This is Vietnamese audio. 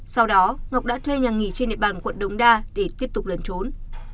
sau đó ngọc đã thuê nhà nghỉ trên địa bàn quận đông đa để tiếp tục lẩn trốn